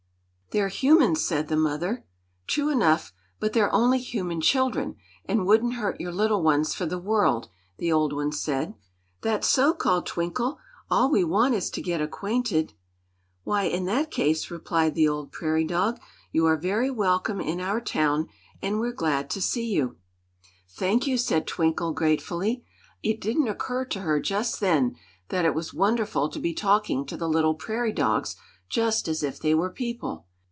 "They're humans," said the mother. "True enough; but they're only human children, and wouldn't hurt your little ones for the world," the old one said. "That's so!" called Twinkle. "All we want, is to get acquainted." "Why, in that case," replied the old prairie dog, "you are very welcome in our town, and we're glad to see you." "Thank you," said Twinkle, gratefully. It didn't occur to her just then that it was wonderful to be talking to the little prairie dogs just as if they were people.